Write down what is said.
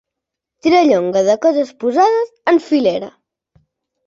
Tirallonga de coses posades en filera.